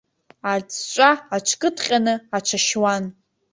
Аҵәҵәа аҽкыдҟьаны аҽашьуан.